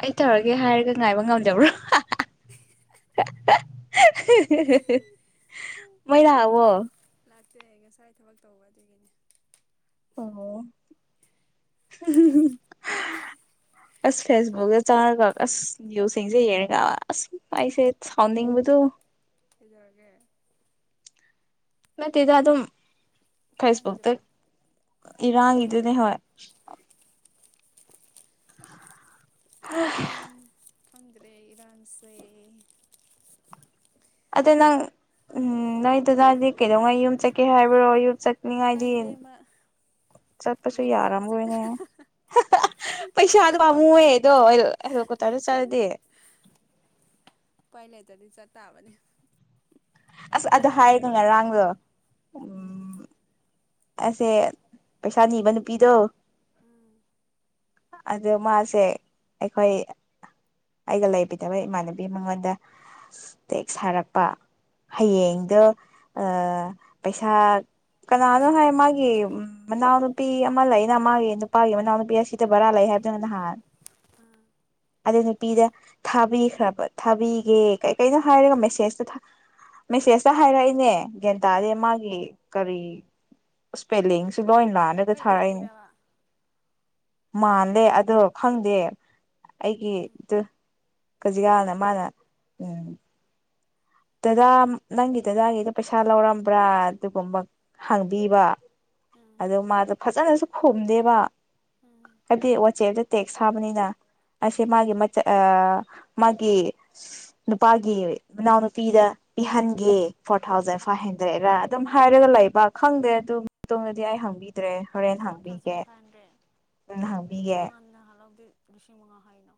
ꯑꯩ ꯇꯧꯔꯒꯦ ꯍꯥꯏꯔꯒ ꯉꯥꯏꯕ ꯉꯝꯗꯕ꯭ꯔꯣ ꯃꯣꯏ ꯂꯥꯛꯑꯕꯣ ꯠꯇꯦ ꯉꯁꯥꯏ ꯊꯕꯛ ꯇꯧꯕ ꯑꯗꯨꯒꯤꯅꯦ ꯑꯣꯥꯎ [unintelligible] ꯑꯁ ꯐꯦꯁꯕꯨꯛꯇ ꯆꯪꯉꯒ ꯑꯁ ꯚ꯭ꯌꯨꯁꯤꯡꯁꯦ ꯌꯦꯡꯉꯒ ꯑꯁ ꯑꯩꯁꯦ ꯁꯥꯎꯟꯅꯤꯡꯕꯗꯨ ꯀꯩꯗꯧꯔꯒꯦ ꯅꯠꯇꯦꯗ ꯑꯗꯨꯝ ꯐꯦꯁꯕꯨꯛꯛꯇ ꯏꯔꯥꯡꯒꯤꯗꯨꯔꯣ ꯏꯔꯥꯡ ꯑꯗꯨꯅꯦ ꯍꯣꯏ [inaudible] ꯎꯝ ꯑ ꯈꯪꯗ꯭ꯔꯦ ꯏꯔꯥꯟꯁꯦ ꯑꯗꯨ ꯅꯪ ꯎꯝ ꯅꯣꯏ ꯗꯥꯗꯥꯗꯤ ꯀꯩꯗꯧꯉꯩ ꯌꯨꯝ ꯆꯠꯀꯦ ꯍꯥꯏꯕ꯭ꯔꯣ ꯌꯨꯝ ꯅꯤꯡꯉꯥꯏꯗꯤ ꯈꯪꯗꯦ ꯃꯥ ꯆꯠꯄꯁꯨ ꯍꯦꯂꯤꯀꯣꯞꯇꯔꯗ ꯆꯠꯇ ꯌꯥꯔꯝꯔꯣꯏꯅꯦ ꯄꯩꯁꯥ ꯄꯥꯝꯃꯨꯏꯌꯦ ꯑꯗꯣ ꯑꯩ ꯀꯇꯥꯗ ꯆꯥꯔꯗꯤ ꯎꯄꯥꯏꯂꯩꯇ꯭ꯔꯗꯤ ꯆꯠꯇꯥꯕꯅꯤ ꯑꯁ ꯑꯗꯨ ꯍꯥꯏꯔꯒ ꯉꯔꯥꯡꯗꯣ ꯎꯝ ꯑꯁꯦ ꯄꯩꯁꯥ ꯅꯤꯕ ꯅꯨꯄꯤꯗꯣ ꯎꯝ ꯑꯗ ꯃꯥꯁꯦ ꯑꯩꯈꯣꯏ ꯑꯩꯒ ꯂꯩꯕꯤꯗꯕ ꯏꯃꯥꯟꯅꯕꯤ ꯃꯉꯣꯟꯗ ꯇꯦꯛꯁ ꯊꯥꯔꯛꯄ ꯎꯝ ꯍꯌꯦꯡꯗꯣ ꯄꯩꯁꯥ ꯀꯅꯥ ꯀꯩꯅꯣ ꯍꯥꯏ ꯃꯥꯒꯤ ꯃꯅꯥꯎꯅꯨꯄꯤ ꯑꯃ ꯂꯩꯅ ꯃꯥꯒꯤ ꯅꯨꯄꯥꯒꯤ ꯃꯅꯥꯎ ꯅꯨꯨꯄꯤ ꯑꯁꯤꯗ ꯕꯔꯥ ꯂꯩ ꯍꯥꯏꯕꯗꯨꯅ ꯅꯍꯥꯟ ꯎꯝ ꯑꯗꯩ ꯅꯨꯄꯤꯗ ꯊꯥꯕꯤꯈ꯭ꯔꯕ ꯊꯥꯕꯤꯒꯦ ꯀꯩ ꯀꯩꯅꯣ ꯍꯥꯏꯔꯒ ꯃꯦꯁꯦꯁꯇ ꯃꯦꯁꯦꯖꯇ ꯍꯥꯏꯔꯛꯏꯅꯦ ꯒ꯭ꯟꯇꯥꯗꯦ ꯃꯥꯒꯤ ꯀꯔꯤ ꯁꯄꯦꯂꯤꯡꯁ ꯂꯣꯏ ꯂꯥꯟꯔꯒ ꯑꯩꯈꯣꯏ ꯊꯥꯔꯛꯏꯅꯦ ꯗꯥꯒꯤꯔꯕ ꯃꯥꯜꯂꯦ ꯑꯗꯣ ꯈꯪꯗꯦ ꯎꯝ ꯑꯩꯒꯤꯗꯨ ꯀꯖꯤꯀꯥꯅ ꯃꯥꯅ ꯎꯝ ꯗꯗꯥ ꯅꯪꯒꯤ ꯗꯗꯥꯒꯤꯗ ꯄꯩꯁꯥ ꯂꯧꯔꯝꯕ꯭ꯔꯥ ꯑꯗꯨꯒꯨꯝꯕ ꯍꯥꯡꯕꯤꯕ ꯎꯝ ꯑꯗꯣ ꯃꯥꯗꯣ ꯐꯖꯅꯁꯨ ꯍꯨꯝꯗꯦꯕ ꯎꯝ ꯀꯗꯤ ꯋꯥꯆꯦꯞꯇ ꯇꯦꯛꯁ ꯊꯥꯕꯅꯤꯅ ꯑꯁꯦ ꯎꯝ ꯃꯥꯒꯤ ꯃꯆ ꯑ ꯃꯥꯒꯤ ꯅꯨꯄꯥꯒꯤ ꯃꯅꯥꯎ ꯅꯨ ꯄꯤꯗ ꯄꯤꯍꯟꯒꯦ four thousand five um hundred ꯔꯥ ꯑꯗꯨꯝ ꯍꯥꯏꯔꯒ ꯂꯩꯕ ꯈꯪꯗꯦ ꯑꯗꯨꯒꯤ ꯃꯇꯨꯡꯗꯗꯤ ꯑꯩ ꯍꯪꯕꯤ ꯗ꯭ꯔꯦ ꯍꯣꯔꯦꯟ ꯐꯣꯔ ꯊꯥꯎꯖꯟ ꯍꯥꯡꯕꯤꯒꯦ ꯐꯥꯏꯚ ꯍꯟꯗ꯭ꯔꯦꯠ ꯎꯝ ꯍꯥꯡꯕꯤꯒꯦ ꯃꯥ ꯅꯍꯥꯟ ꯂꯧꯕꯗꯤ ꯂꯤꯁꯤꯡ ꯃꯉꯥ ꯍꯥꯏꯅ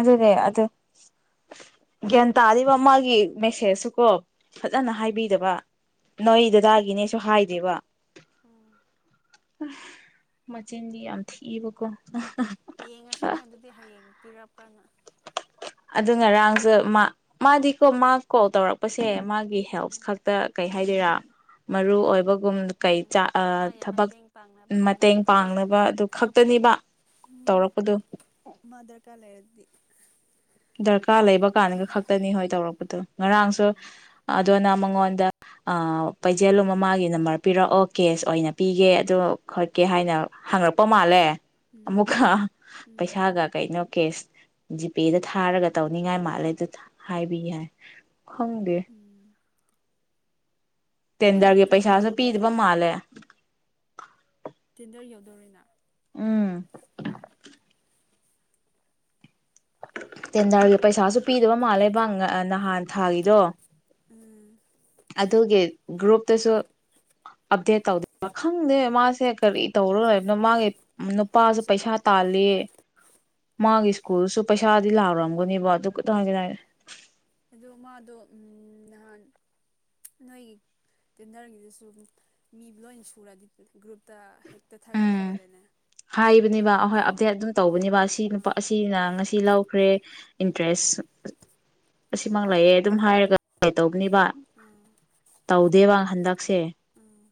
ꯑꯗꯨꯅꯦ ꯑꯗꯨ ꯒ꯭ꯌꯥꯟ ꯇꯥꯔꯤꯕ ꯃꯥꯒꯤ ꯃꯦꯁꯦꯖꯁꯨꯀꯣ ꯐꯖꯅ ꯎꯝ ꯍꯥꯏꯕꯤꯗꯕ ꯅꯣꯏ ꯗꯗꯥꯒꯤꯅꯦꯁꯨ ꯍꯥꯏꯗꯦꯕ ꯎꯝ ꯍꯨ ꯃꯆꯤꯟꯗꯤ ꯌꯥꯝ ꯊꯤꯕꯀꯣ ꯑꯍ ꯌꯦꯡꯉꯁꯤꯅꯦ ꯑꯗꯨꯗꯤ ꯍꯌꯦꯡ ꯄꯤꯔꯛꯄ ꯄ [unintelligible] ꯑꯗꯨ ꯉꯔꯥꯡꯁꯨ ꯃꯥ ꯃꯥꯗꯤ ꯀꯣ ꯃꯥ ꯀꯣꯜ ꯇꯧꯔꯛꯄꯁꯦ ꯁꯦ ꯃꯥꯒꯤ ꯍꯦꯜꯞ ꯈꯛꯇ ꯀꯩ ꯍꯥꯏꯗꯣꯏꯔꯥ ꯃꯔꯨ ꯑꯣꯏꯕ ꯀꯨꯝ ꯀꯩ ꯎꯝ ꯆꯥ ꯑꯥ ꯃꯥꯒꯤ ꯊꯕꯛ ꯃꯇꯦꯡ ꯄꯥꯡꯅꯕ ꯃꯇꯦꯡ ꯈꯛꯇꯪꯅꯦꯕ ꯇꯧꯔꯤꯁꯦ ꯄꯥꯡꯅꯕ ꯑꯗꯨ ꯈꯛꯇꯅꯤꯕ ꯎꯝ ꯇꯧꯔꯛꯄꯗꯨ ꯃꯥ ꯗꯔꯀꯥꯔ ꯂꯩꯔꯗꯤ ꯗꯔꯀꯥꯔ ꯂꯩꯕ ꯀꯥꯟꯒ ꯈꯛꯇꯅꯤ ꯍꯣꯏ ꯇꯧꯔꯛꯄꯗꯣ ꯉꯔꯥꯡꯁꯨ ꯎꯝ ꯑꯗꯨꯅ ꯃꯉꯣꯟꯗ ꯑꯥ ꯄꯥꯏꯖꯜꯂꯨ ꯃꯃꯥꯒꯤ ꯅꯝꯕꯔ ꯄꯤꯔꯛꯑꯣ ꯀꯦꯁ ꯑꯣꯏꯅ ꯄꯤꯒꯦ ꯑꯗꯣ ꯈꯣꯠꯀꯦ ꯍꯥꯏꯅ ꯍꯪꯉꯛꯄ ꯃꯥꯜꯂꯦ ꯎꯝ ꯑꯃꯨꯛꯀꯍꯥ ꯎꯝ ꯄꯩꯁꯥꯒ ꯀꯩꯅꯣ ꯀꯦꯁ ꯖꯤ ꯄꯦ ꯗ ꯊꯥꯔꯒ ꯇꯧꯅꯤꯡꯉꯥꯏ ꯃꯥꯜꯂꯦ ꯑꯗꯨꯗ ꯍꯥꯏꯕꯤ ꯌꯥꯏ ꯈꯪꯗꯦ ꯎꯝ ꯃꯣꯏ ꯇꯦꯟꯗꯔꯒꯤ ꯂꯨꯇ꯭ꯔꯤꯁꯨ ꯄꯩꯁꯥꯁꯨ ꯄꯤꯗꯕ ꯌꯧꯗꯣꯔꯦꯅ ꯃꯥꯜꯂꯦ ꯇꯧꯔꯤꯅ ꯎꯝ ꯇꯦꯟꯗꯔꯒꯤ ꯄꯩꯁꯥꯁꯨ ꯄꯤꯗꯕ ꯃꯥꯜꯂꯦꯕ ꯉꯥ ꯅꯍꯥꯟ ꯊꯥꯒꯤꯗꯣ ꯎꯝ ꯑꯗꯨꯒꯤ ꯒ꯭ꯔꯨꯞꯨꯞꯇꯁꯨ ꯑꯞꯗꯦꯠ ꯇꯧꯗꯕ ꯈꯪꯗꯦ ꯃꯥꯁꯦ ꯍꯦ ꯀꯔꯤ ꯇꯧꯔ ꯂꯩꯕꯅꯣ ꯃꯥꯒꯤ ꯅꯨꯄꯥꯁꯨ ꯃꯣꯏꯁꯨ ꯄꯩꯁꯥ ꯇꯥꯜꯂꯤ ꯃꯥꯒꯤ ꯁꯀꯨꯜ ꯁꯨ ꯄꯩꯁꯥꯗꯤ ꯂꯥꯎꯔꯝꯒꯅꯦꯕ ꯑꯗꯨ ꯀꯗꯗꯩ ꯑꯗꯨ ꯃꯥꯗꯣ ꯎꯝ ꯅꯍꯥꯟ ꯅꯣꯏꯒꯤ ꯇꯦꯟꯗꯔꯒꯤꯗꯁꯨ ꯃꯤ ꯂꯣꯏꯅ ꯁꯨꯔꯗꯤ ꯒ꯭ꯔꯨꯞꯇ ꯊꯥꯒꯠꯂꯦ ꯎꯝ ꯍꯥꯏꯗꯅꯦ ꯍꯥꯏꯕꯅꯦꯕ ꯑꯍꯣꯏ ꯗꯦ ꯑꯗꯨ ꯇꯧꯕꯅꯤꯕ ꯑꯁꯤ ꯅꯨꯄꯥ ꯑꯥ ꯑꯁꯤꯅ ꯉꯁꯤ ꯂꯧꯈ꯭ꯔꯦ ꯏꯟꯇꯔꯦꯁ ꯂꯤꯁꯤꯡ ꯝꯉꯥ ꯂꯥꯛꯑꯦ ꯑꯗꯨꯝ ꯍꯥꯏꯔꯒ ꯇꯧꯕ ꯅꯤꯕ ꯑꯥ ꯇꯧꯗꯦꯕ ꯍꯟꯗꯛꯁꯦ ꯑꯥ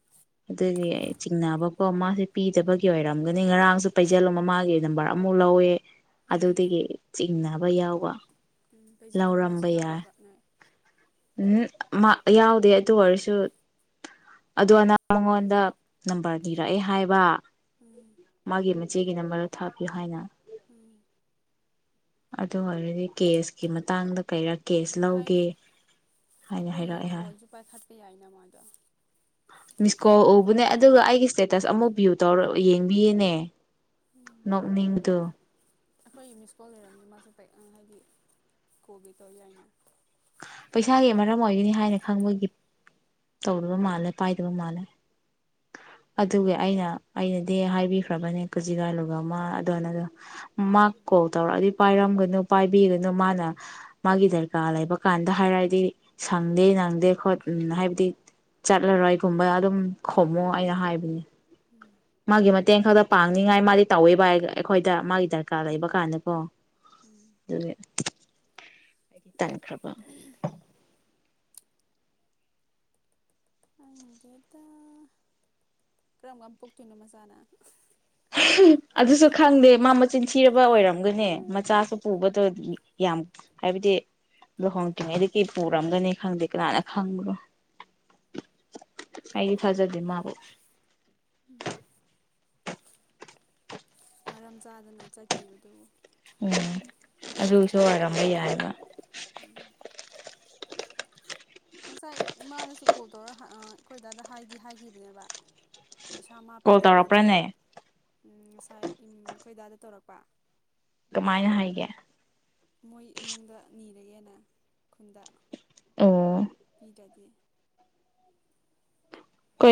ꯑꯗꯨꯒꯤ ꯑꯩ ꯆꯤꯡꯅꯕꯀꯣ ꯃꯥꯁꯦ ꯄꯤꯗꯕꯒꯤ ꯑꯣꯏꯔꯝꯒꯅꯤ ꯉꯔꯥꯡꯁꯨ ꯄꯩꯖꯜꯂꯨ ꯃꯃꯥꯒꯤ ꯅꯝꯕꯔ ꯑꯃꯨꯛ ꯂꯧꯋꯦ ꯎꯝ ꯑꯗꯨꯗꯒꯤ ꯆꯤꯛ ꯅꯥꯕ ꯌꯥꯎꯕ ꯎꯝ ꯄꯩꯖꯦꯜ ꯃꯃꯁꯨ ꯂꯧꯔꯝꯕ ꯌꯥꯏ ꯌꯥꯎꯔꯕ ꯎꯝ ꯎꯝ ꯃꯥ ꯌꯥꯎꯗꯦ ꯑꯗꯨ ꯑꯣꯏꯔꯁꯨ ꯑꯗꯨ ꯃꯉꯣꯟꯗ ꯅꯝꯕꯔ ꯅꯤꯔꯛꯑꯦ ꯍꯥꯏꯕ ꯎꯝ ꯃꯥꯒꯤ ꯃꯆꯦꯒꯤ ꯅꯝꯕꯔꯗꯨ ꯊꯥꯕꯤꯌꯨ ꯍꯥꯏꯅ ꯎꯝ ꯑꯗꯨ ꯑꯣꯏꯔꯗꯤ ꯀꯦꯁꯀꯤ ꯃꯇꯥꯡꯗ ꯀꯩꯔꯛ ꯀꯦꯁ ꯍꯥꯏꯗꯤ ꯂꯧꯒꯦ ꯍꯥꯏꯅ ꯑꯩꯈꯣꯏꯒꯤ ꯍꯥꯏꯔꯛꯑꯦ ꯍꯥꯏ ꯐꯣꯟꯁꯨ ꯄꯥꯏꯈꯠꯄ ꯌꯥꯏꯅ ꯃꯗꯣ ꯃꯤꯁꯀꯣꯜ ꯎꯕꯅꯦ ꯑꯗꯨꯒ ꯑꯩꯒꯤ ꯏꯁꯇꯦꯇꯁ ꯑꯃꯨꯛ ꯚ꯭ꯌꯨ ꯇꯧꯔ ꯌꯦꯡꯕꯤꯌꯦꯅꯦ ꯎꯝ ꯅꯣꯛꯅꯤꯡꯕꯗꯣ ꯑꯩꯈꯣꯏ ꯃꯤꯁꯀꯣꯜ ꯂꯩꯔꯝꯁꯦ ꯃꯥꯁꯨ ꯄꯩ ꯍꯥꯏꯗꯤ ꯀꯣꯕꯤ ꯇꯧ ꯌꯥꯏꯅ ꯄꯩꯁꯥꯒꯤ ꯃꯔꯝ ꯑꯣꯏꯒꯅꯤ ꯍꯥꯏꯅ ꯈꯪꯕꯒꯤ ꯇꯧꯗꯕ ꯃꯥꯜꯂꯦ ꯄꯥꯏꯗꯕ ꯃꯥꯜꯂꯦ ꯑꯗꯨꯒꯤ ꯑꯩꯅ ꯑꯩꯅꯗꯤ ꯍꯥꯏꯕꯤꯈ꯭ꯔꯕꯅꯦ ꯀꯨꯖꯤ ꯂꯥꯂꯨꯒ ꯑꯃ ꯑꯗꯣꯅꯗꯣ ꯃꯥ ꯎꯝ ꯀꯣꯜ ꯇꯧꯔꯛꯑꯗꯤ ꯄꯥꯏꯔꯝꯒ ꯗꯣ ꯄꯥꯏꯕꯤꯒꯅꯨ ꯃꯥꯅ ꯃꯥꯒꯤ ꯗꯔꯀꯥꯔ ꯂꯩꯕ ꯀꯥꯟꯗ ꯍꯥꯏꯔꯑꯗꯤ ꯁꯪꯗꯦ ꯅꯪꯗꯦ ꯈꯣꯠ ꯎꯝ ꯍꯥꯏꯕꯗꯤ ꯆꯠꯂꯔꯣꯏꯒꯨꯝꯕ ꯑꯗꯨꯝ ꯈꯣꯝꯃꯣ ꯑꯩꯅ ꯍꯥꯏꯕꯅꯦ ꯎꯝ ꯃꯥꯒꯤ ꯃꯇꯦꯡ ꯈꯛꯇ ꯄꯥꯡꯅꯤꯡꯉꯥꯏ ꯃꯥꯗꯤ ꯇꯧꯋꯦꯕ ꯍꯥꯏ ꯑꯩꯈꯣꯏꯗ ꯎꯝ ꯃꯥꯒꯤ ꯗꯔꯀꯥꯔ ꯎꯝ ꯂꯩꯕ ꯀꯥꯟꯗꯀꯣ ꯎꯝ ꯑꯗꯨꯒꯤ ꯑꯩꯗꯤ ꯇꯥꯟꯈ꯭ꯔꯕ ꯈꯪꯗꯦꯗ ꯀꯔꯝ ꯀꯥꯟ ꯄꯣꯛꯇꯣꯏꯅꯣ ꯃꯆꯥꯥꯅ ꯑꯗꯨꯁꯨ ꯈꯪꯗꯦ ꯃꯥ ꯃꯆꯤꯟ ꯊꯤꯔꯕ ꯑꯣꯏꯔꯝꯒꯅꯤ ꯎꯝ ꯃꯆꯥꯁꯨ ꯄꯨꯕꯗꯣ ꯌꯥꯝ ꯍꯥꯏꯕꯗꯤ ꯂꯨꯍꯣꯡꯗ꯭ꯔꯤꯉꯩꯗꯒꯤ ꯄꯨꯔꯝꯒꯅꯤ ꯈꯪꯗꯦ ꯀꯅꯥꯅ ꯈꯪꯕ꯭ꯔꯣ ꯑꯩꯗꯤ ꯊꯥꯖꯗꯦ ꯃꯥꯕꯨ ꯎ ꯃꯔꯝ ꯆꯥꯗꯅ ꯆꯠꯈꯤꯕꯗꯨꯕꯨ ꯎꯝ ꯇꯥꯏꯃꯤꯡ ꯑꯗꯨꯁꯨ ꯑꯣꯏꯔꯝꯕ ꯆꯥꯗꯕꯗꯣ ꯌꯥꯏꯕ ꯎꯝ ꯉꯁꯥꯏ ꯑꯌꯨꯛ ꯃꯥꯅꯁꯨ ꯀꯣꯜ ꯇꯧꯔ ꯑꯪ ꯑꯩꯈꯣꯏ ꯗꯗꯥ ꯍꯥꯏꯗꯤ ꯍꯥꯏꯈꯤꯕꯅꯦꯕ ꯄꯩꯁꯥ ꯃꯥ ꯀꯣꯜ ꯄꯤꯗꯕꯅꯤꯅ ꯑꯃ ꯇꯧꯔꯛꯄ꯭ꯔꯥꯅꯦ ꯉꯁꯥꯏ ꯎꯝ ꯈꯣꯏꯗꯥꯗ ꯇꯧꯔꯛꯄ ꯀꯃꯥꯏꯅ ꯍꯥꯏꯒꯦ ꯃꯣꯏ ꯏꯃꯨꯡꯗ ꯅꯤ ꯂꯩꯌꯦꯅ ꯈꯨꯟꯗ ꯑꯣ ꯑꯣ ꯄꯤꯗ꯭ꯔꯗꯤ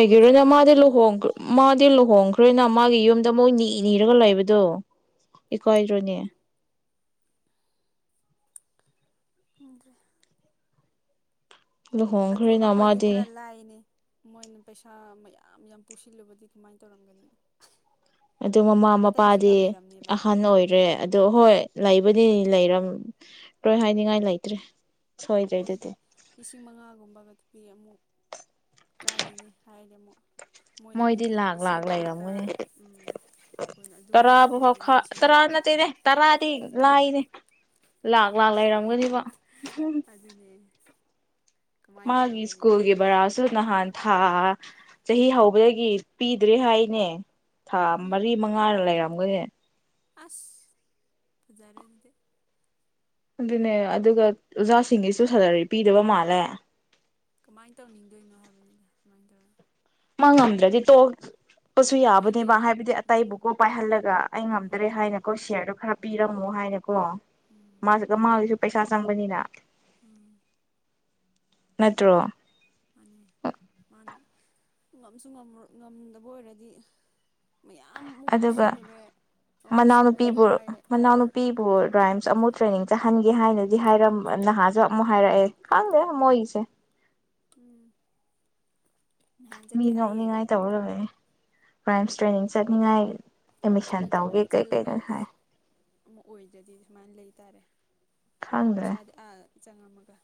ꯐꯣꯟꯁꯨ ꯃꯥꯗꯤ ꯄꯥꯏꯈꯠꯇꯕꯅꯤꯅ ꯂꯨꯍꯣꯡ ꯃꯥꯗꯤ ꯂꯨꯍꯣꯡ ꯍꯣꯡꯈ꯭ꯔꯦꯅ ꯃꯥꯒꯤ ꯌꯨꯝꯗ ꯃꯣꯏ ꯅ ꯅꯤꯔꯒ ꯂꯩꯕꯗꯣ ꯏꯀꯥꯏꯗ꯭ꯔꯣꯅꯦ ꯈꯪꯗ꯭ꯔꯦ ꯑꯗꯨ ꯂꯨꯍꯣꯡꯈ꯭ꯔꯦꯅ ꯑꯩꯈꯣꯏꯗꯤ ꯈꯔ ꯃꯥꯗꯤ ꯂꯥꯏꯅꯦ ꯃꯣꯏꯅ ꯄꯩꯁꯥ ꯃꯌꯥꯝ ꯌꯥꯝ ꯄꯨꯁꯤꯜꯂꯨꯕꯗꯤ ꯀꯃꯥꯏꯅ ꯇꯧꯔꯝꯒꯅꯤ ꯑꯗꯨ ꯃꯃꯥ ꯑꯇꯩꯁꯨ ꯃꯄꯥꯗꯤ ꯌꯥꯝ ꯂꯩꯔꯝꯅꯦꯕ ꯑꯍꯟ ꯑꯣꯏꯔꯦ ꯑꯗꯣ ꯍꯣꯏ ꯂꯩꯕꯨꯗꯤ ꯂꯩꯔꯝꯂꯣꯏ ꯍꯥꯏꯅꯤꯡꯉꯥꯏ ꯂꯩꯇ꯭ꯔꯦ ꯁꯣꯏꯗ꯭ꯔꯦ ꯑꯩꯈꯣꯏꯗꯤ ꯑꯗꯨꯗꯤ ꯂꯤꯁꯤꯡ ꯃꯉꯥꯒꯨꯝꯕꯒꯗꯤ ꯄꯤ ꯑꯃꯨꯛ ꯀꯥꯏꯗꯦꯅꯦ ꯍꯥꯏꯔꯗꯤ ꯑꯃꯨꯛ ꯃꯣꯏꯅꯗꯤ ꯃꯣꯏꯗꯤ ꯂꯥꯛ ꯂꯥꯛ ꯂꯤꯁꯤꯡ ꯇꯔꯥ ꯇꯔꯥ ꯂꯩꯔꯝꯒꯅꯦ ꯎꯝ ꯀꯣꯏꯅ ꯑꯗꯨ ꯇꯔꯥꯕꯨ ꯌꯧꯔꯝꯃꯗꯤ ꯍꯥꯎꯈ ꯃꯤꯁꯤꯡꯗꯤ ꯇꯔꯥ ꯅꯠꯇꯦꯅꯦ ꯇꯔꯥꯗꯤ ꯂꯥꯏꯅꯦ ꯂꯥꯛ ꯂꯥꯛ ꯂꯩꯔꯝꯒꯅꯤꯕ ꯑꯗꯨꯅꯦ ꯀꯃꯥꯏꯅ ꯃꯥꯒꯤ ꯇꯧꯔꯝꯒꯅꯤ ꯏꯁ꯭ꯀꯨꯜꯒꯤ ꯕꯔꯥꯁꯨ ꯅꯍꯥꯟ ꯊꯥ ꯆꯍꯤ ꯍꯧꯕꯗꯒꯤ ꯄꯤꯗ꯭ꯔꯦ ꯍꯥꯏꯅꯦ ꯊꯥ ꯎꯝ ꯃꯔꯤ ꯃꯉꯥ ꯂꯩꯔꯝ [unintelligible] ꯑꯁ ꯐꯖꯔꯦ ꯑꯗꯨꯗꯤ ꯑꯗꯨꯅꯦ ꯑꯗꯨꯒ ꯑꯣꯖꯥꯁꯤꯡꯒꯤꯁꯨ ꯁꯦꯂꯔꯤ ꯄꯤꯗꯕ ꯃꯥꯜꯂꯦ ꯀꯃꯥꯏꯅ ꯇꯧꯅꯤꯡꯗꯣꯏꯅꯣ ꯍꯥꯏꯕꯅꯤꯗ ꯁꯨꯃꯥꯏꯅ ꯇꯧꯔꯒ ꯃꯥ ꯉꯝꯗ꯭ꯔꯗꯤ ꯇꯣꯛ ꯆꯛꯄꯁꯨ ꯍꯣꯏꯅꯦ ꯌꯥꯕꯅꯦꯕ ꯍꯥꯏꯕꯗꯤ ꯎꯝ ꯑꯇꯩꯕꯨꯀꯣ ꯄꯥꯏꯍꯜꯂꯒ ꯑꯩ ꯉꯝꯗ꯭ꯔꯦ ꯎꯝ ꯍꯥꯏꯅꯀꯣ ꯁꯤꯌꯔꯗꯣ ꯈꯔ ꯄꯤꯔꯝꯃꯣ ꯍꯥꯏꯔ ꯀꯣ ꯎꯝ ꯃꯥꯁꯨ ꯃꯥꯁꯤꯁꯨ ꯄꯩꯁꯥ ꯆꯪꯕꯅꯤꯅ ꯎꯝ ꯅꯠꯇ꯭ꯔꯣ ꯃꯥꯅꯤ ꯃꯥꯅ ꯉꯝꯁꯨ ꯉꯝꯗꯕ ꯑꯣꯏꯔꯗꯤ ꯃꯌꯥꯝꯃꯨꯛ ꯑꯗꯨꯒ ꯄꯨꯁꯤꯜꯂꯨꯔꯦ ꯑꯃꯨꯛ ꯁꯤꯡꯕ ꯃꯅꯥꯎꯅꯨꯄꯤꯕꯨ ꯋꯥꯏꯑꯦ ꯃꯅꯥꯎꯅꯨꯄꯤꯕꯨ ꯔꯥꯏꯝꯁ ꯑꯃꯨꯛ ꯇ꯭ꯔꯦꯅꯤꯡ ꯆꯠꯍꯟꯒꯦ ꯍꯥꯏꯅꯗꯤ ꯍꯥꯏꯔꯝꯕ ꯅꯍꯥꯟꯁꯨ ꯑꯃꯨꯛ ꯍꯥꯏꯔꯛꯑꯦ ꯈꯪꯗꯦ ꯃꯣꯏꯒꯤꯁꯦ ꯎꯝ ꯅꯍꯥꯟ ꯃꯤ ꯆꯠꯀꯦ ꯍꯥꯏꯌꯦ ꯉꯧꯅꯤꯉꯥꯏ ꯇꯧꯔ ꯂꯩꯌꯦ ꯔꯥꯏꯝꯁ ꯇ꯭ꯔꯦꯅꯤꯡ ꯆꯠꯅꯤꯡꯉꯥꯏ ꯑꯦꯗꯃꯤꯁꯟ ꯑꯗꯨ ꯇꯧꯒꯦ ꯑꯃꯨꯛ ꯀꯩ ꯆꯠꯂꯒ ꯀꯩꯩꯅꯣ ꯍꯥꯏ ꯑꯃꯨꯛ ꯑꯣꯏꯗ꯭ꯔꯗꯤ ꯁꯨꯃꯥꯏꯅ ꯂꯩꯇꯥꯥꯔꯦ ꯈꯪꯗ꯭ꯔꯦ ꯄꯩꯁꯥꯗꯤ ꯑꯥ ꯆꯥꯡ ꯑꯃꯒ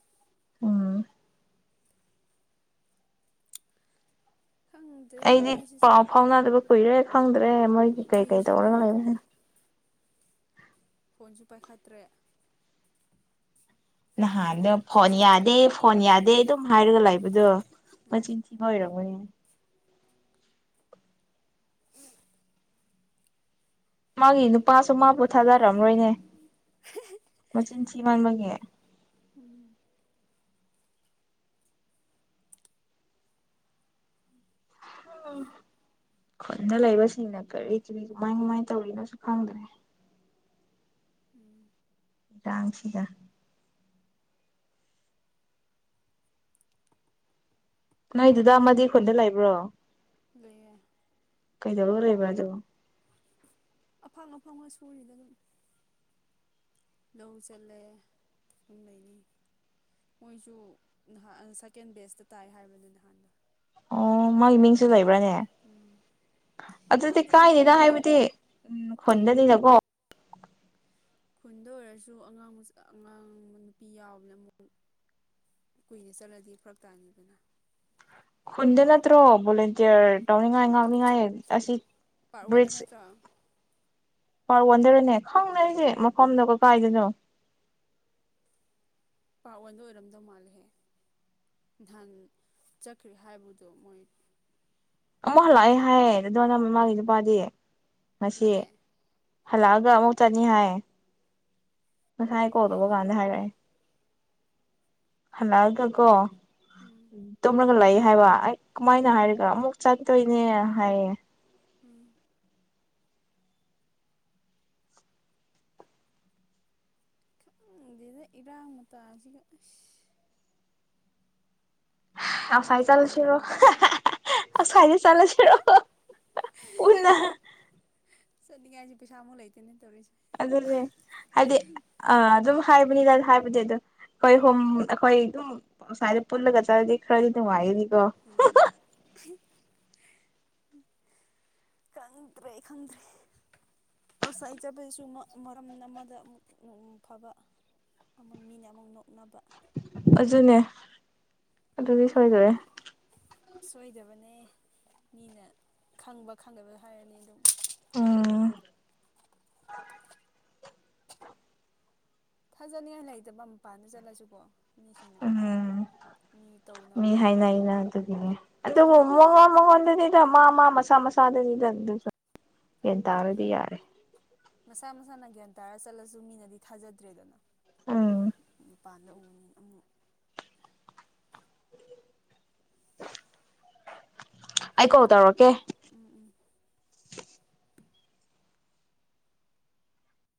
ꯎꯝ ꯈꯪꯗ꯭ꯔꯦꯗ ꯑꯩꯗꯤ ꯃꯣꯏꯁꯤꯁꯨ ꯄꯥꯎ ꯐꯥꯎꯅꯗꯕ ꯀꯨꯏꯔꯦ ꯈꯪꯗ ꯑꯦ ꯃꯣꯏꯒꯤ ꯀꯩꯀꯩ ꯇꯧꯔ ꯑꯩꯁꯨꯅꯦꯍꯦ ꯂꯩꯕꯅꯦ ꯐꯣꯟꯁꯨ ꯄꯥꯏꯈꯠꯇ꯭ꯔꯦ ꯅꯍꯥꯟꯗꯣ ꯐꯣꯟ ꯑꯩꯁꯨ ꯇꯧꯗꯤ ꯌꯥꯗꯦ ꯇꯧꯗ꯭ꯔꯦ ꯐꯣꯟ ꯌꯥꯗꯦ ꯑꯗꯨꯝ ꯍꯥꯏꯔꯒ ꯂꯩꯕꯗꯣ ꯃꯆꯤꯟ ꯎꯝ ꯊꯤꯕ ꯑꯣꯏꯔꯝꯒꯅꯤ ꯃꯥꯒꯤ ꯅꯨꯄꯥꯁꯨ ꯃꯥꯕꯨ ꯊꯥꯗꯔꯝꯔꯣꯏꯅꯦ ꯃꯆꯤꯟ ꯊꯤꯃꯟꯕꯒꯤ ꯎꯝ ꯎ ꯈꯨꯟꯗ ꯂꯩꯕꯁꯤꯡꯅ ꯀꯔꯤ ꯀꯔꯤ ꯀꯃꯥꯏ ꯀꯃꯥꯏ ꯇꯧꯔꯤꯅꯣꯁꯨ ꯈꯪꯗ꯭ꯔꯦ [inaudible] ꯗꯥꯥꯡꯁꯤꯗ ꯅꯣꯏꯗꯗ ꯑꯃꯗꯤ ꯈꯨꯟꯗ ꯂꯩꯕ꯭ꯔꯣ ꯂꯩꯌꯦ ꯀꯩꯗꯧꯔ ꯂꯩꯕ ꯑꯗꯨ ꯑꯐꯪ ꯑꯐꯪꯕ ꯁꯨꯔꯤꯗ ꯗꯨꯝ ꯂꯧ ꯆꯠꯂꯦ ꯑꯗꯨꯝ ꯂꯩꯅꯤ ꯃꯣꯏꯁꯨ ꯅꯍꯥꯟ ꯁꯀꯦꯟ ꯕꯦꯁꯇ ꯇꯥꯏ ꯍꯥꯏꯕꯗ ꯅꯍꯥꯟ ꯑꯣ ꯃꯥꯏ ꯃꯤꯡꯁꯨ ꯂꯩ ꯕ꯭ꯔꯅꯦ ꯎꯝ ꯑꯗꯨꯗꯤ ꯍꯥꯏꯗꯤ ꯀꯥꯏꯗꯦꯗ ꯑꯗꯨꯒꯨꯝꯕꯗꯤ ꯍꯥꯏꯕꯗꯤ ꯈꯨꯟꯗꯅꯤꯅꯀꯣ ꯈꯨꯟꯗ ꯑꯣꯏꯔꯁꯨ ꯑꯉꯥꯡ ꯃꯆꯥ ꯑꯉꯥꯡ ꯅꯨꯄꯤ ꯌꯥꯎꯕꯅꯦ ꯑꯃꯨꯛ ꯀꯨꯏꯅ ꯆꯠꯂꯗꯤ ꯐꯔꯛ ꯇꯥꯅꯤꯗꯅ ꯈꯨꯟꯗ ꯅꯠꯇ꯭ꯔꯣ ꯚꯣꯂꯦꯟꯇꯤꯌꯔ ꯇꯧꯅꯤꯡꯉꯥꯏ ꯉꯥꯡꯅꯤꯡꯉꯥꯏ ꯑꯁꯤ ꯄꯥꯔꯠ ꯋꯥꯟꯗ ꯅꯠꯇ꯭ꯔꯣ ꯄꯥꯔꯠ ꯋꯥꯟꯗꯔꯅꯦ ꯈꯪꯗꯦ ꯑꯩꯗꯤ ꯃꯐꯝꯗꯣ ꯀꯀꯥꯏꯗꯅꯣ ꯄꯥꯔꯠ ꯋꯥꯟꯗ ꯑꯣꯏꯔꯝꯗꯧ ꯃꯥꯜꯂꯦꯍꯦ ꯅꯍꯥꯟ ꯆꯠꯈ꯭ꯔꯦ ꯍꯥꯏꯕꯗꯣ ꯃꯣꯏ ꯑꯃꯨꯛ ꯍꯂꯛꯑ ꯑꯩ ꯍꯥꯏ ꯀꯤꯂꯣꯃꯤꯇꯔꯗ ꯌꯥꯏꯌꯦ ꯑꯗꯨꯣ ꯅ ꯃꯥ ꯄꯥꯗꯦ ꯃꯁꯤ ꯍꯜꯂꯛꯑꯦ ꯍꯜꯂꯛꯑꯒ ꯑꯃꯨꯛ ꯆꯠꯅꯤ ꯍꯥꯏꯌꯦ ꯉꯁꯥꯏ ꯀꯣꯜꯗꯧꯕ ꯀꯩꯒꯤꯅꯣ ꯀꯥꯟꯗ ꯍꯥꯏꯔꯛꯑꯦ ꯍꯂꯛꯑꯒ ꯀꯣ ꯎꯝ ꯇꯨꯝꯔꯒ ꯂꯩ ꯍꯥꯏꯕ ꯑꯩ ꯀꯃꯥꯏꯅ ꯎꯝ ꯍꯥꯏꯔꯒ ꯑꯃꯨꯛ ꯆꯠ ꯇꯣꯏꯅꯦ ꯍꯥꯏꯌꯦ ꯎꯝ ꯈꯪꯗꯦꯗ ꯏꯔꯥꯡ ꯃꯇꯥꯁꯤꯒ ꯏꯁ ꯍ ꯑꯁꯥꯏ ꯇꯧꯗꯣꯏꯅꯣ ꯆꯠꯂꯨꯁꯤꯔꯣ [inaudible] ꯑꯁꯥꯏꯗ ꯆꯠꯂꯨꯁꯤꯔꯣ [inaudible] ꯄꯨꯟꯅ ꯆꯠꯅꯤꯡꯉꯥꯏꯁꯨ ꯄꯩꯁꯥ ꯑꯃꯨꯛ ꯂꯩꯇꯦꯅꯦ ꯇꯧꯔꯤꯁꯦ ꯑꯗꯨꯗꯦ ꯍꯥꯏꯗꯤ ꯑ ꯑꯗꯨ ꯍꯥꯏꯕꯅꯤꯅ ꯍꯥꯏꯕꯗꯤ ꯑꯗꯨꯝ ꯈꯣꯏ ꯍꯨꯝ ꯑꯩꯈꯣꯏ ꯑꯗꯨꯝ ꯑꯁꯥꯏꯗ ꯄꯨꯜꯂꯒ ꯆꯂꯗꯤ ꯈꯔꯗꯤ ꯅꯨꯡꯉꯥꯏꯒꯅꯤ ꯑꯥ [inaudible] ꯎꯝ ꯈꯪꯗ꯭ꯔꯦ ꯈꯪꯗ꯭ꯔꯦ ꯑꯁꯥꯏ ꯆꯠꯄꯖꯤꯁꯨ ꯃꯔꯝ ꯑꯃꯗ ꯑꯃꯨꯛ ꯐꯕ ꯑꯃꯛ ꯃꯤꯅ ꯑꯃꯨꯛ ꯅꯣꯛꯅꯕ ꯑꯗꯨꯅꯦ ꯑꯗꯨꯗꯤ ꯁꯣꯏꯗꯔꯦ ꯁꯣꯏꯗꯕꯅꯦ ꯃꯤꯅ ꯈꯪꯕ ꯈꯪꯗꯕ ꯍꯥꯏꯔꯅꯤ ꯑꯗꯨꯝ ꯎꯝ ꯊꯥꯖꯅꯤꯡꯉꯥꯏ ꯂꯩꯇꯕ ꯃꯄꯥꯥꯟꯗ ꯆꯠꯂꯁꯨꯀꯣ ꯃꯤꯁꯤꯡꯅ ꯎꯝ ꯃꯤ ꯇꯧꯅꯕ ꯃꯤ ꯎꯕꯅꯤꯅ ꯍꯥꯏꯅꯩꯅ ꯑꯗꯨꯒꯤꯅꯦ ꯑꯗꯨꯕꯨ ꯃꯉꯣꯟ ꯃꯉꯣꯟꯗꯅꯤꯗ ꯃꯥ ꯃꯥ ꯃꯁꯥ ꯃꯁꯥꯗꯗꯤꯗ ꯃꯦꯟ ꯑꯗꯨꯅꯤ ꯇꯥꯔꯗꯤ ꯌꯥꯔꯦ ꯇꯔ ꯆꯠꯂꯁꯨ ꯃꯤꯅꯗꯤ ꯊꯥꯖꯗ꯭ꯔꯦꯗꯅ ꯎꯝ ꯄꯟꯗ ꯎꯕ ꯃꯤ [inaudible] ꯑꯩ ꯀꯣꯜ ꯇꯧꯔꯛꯀꯦ ꯎꯝ ꯎꯝ